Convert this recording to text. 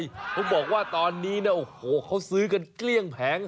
เขาบอกว่าตอนนี้นะโอ้โหเขาซื้อกันเกลี้ยงแผง